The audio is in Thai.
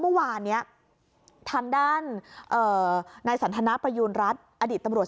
เมื่อวานเนี้ยทางด้านนายสันทนาประยูณรัฐอดีตตำรวจ